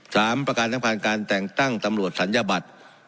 สามประการทางภัณฑ์การแต่งตั้งตัมลวชาญญาบัตร